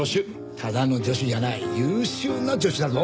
ただの助手じゃない優秀な助手だぞ。